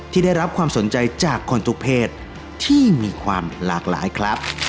ที่ได้รับความสนใจจากคนทุกเพศที่มีความหลากหลายครับ